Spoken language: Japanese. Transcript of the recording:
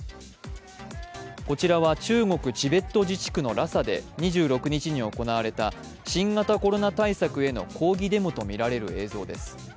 こちらは中国チベット自治区のラサで２６日に行われた新型コロナ対策への抗議デモとみられる映像です。